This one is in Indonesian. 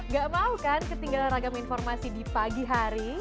gak mau kan ketinggalan ragam informasi di pagi hari